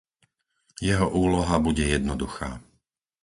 Jeho úloha bude jednoduchá.